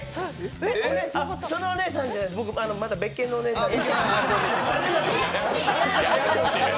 あ、そのお姉さんじゃないです、また別件のお姉さんじゃないです。